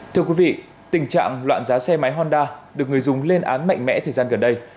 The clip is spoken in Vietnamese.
thưa quý vị tình trạng loạn giá xe máy honda được người dùng lên án mạnh mẽ thời gian gần đây